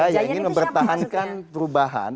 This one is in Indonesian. yang ingin mempertahankan perubahan